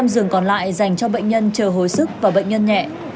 hai trăm linh giường còn lại dành cho bệnh nhân chờ hồi sức và bệnh nhân nhẹ